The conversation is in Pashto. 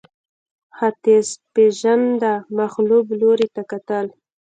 ختیځپېژندنه مغلوب لوري ته کتل